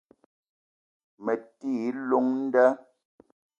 Me ti i llong nda